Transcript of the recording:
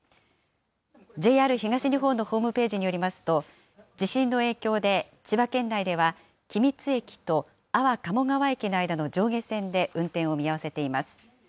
ＪＲ東日本のホームページによりますと、地震の影響で、千葉県内では君津駅と安房鴨川駅の間の上下線で運転を見合わせています。